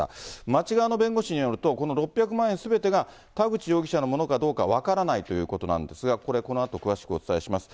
町側の弁護士によると、この６００万円すべてが田口容疑者のものかどうか分からないということなんですが、これ、このあと詳しくお伝えします。